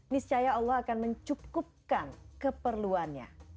niscaya allah akan mencukupkan keperluannya